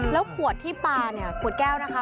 แล้วขวดที่ปลาเนี่ยขวดแก้วนะคะ